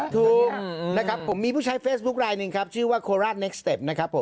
ถูกมีผู้ใช้เฟสบุ๊คลายนึงชื่อว่าโคลาสเน็กส์เต็ป